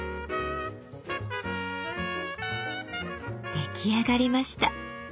出来上がりました。